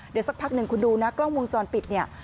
เดี๋ยวสักพักหนึ่งคุณดูนะกล้องวงจรปิดเนี่ย